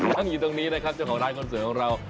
นั่งอยู่ตรงนี้นะครับเจ้าของร้านคอนเสิร์ตของเรา